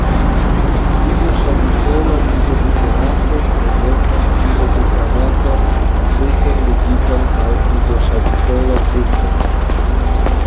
Izoŝavikola izobuterato prezentas izobutanatan grupon ligitan al izoŝavikola grupo.